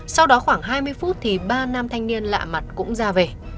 sau đó khoảng hai mươi phút thì ba nam thanh niên lạ mặt cũng ra về